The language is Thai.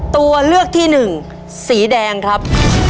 ตัวเลือกที่หนึ่งสีแดงครับ